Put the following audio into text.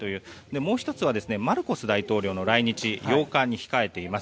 もう１つはマルコス大統領の来日を８日に控えています。